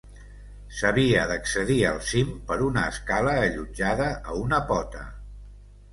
S'havia d'accedir al cim per una escala allotjada a una pota.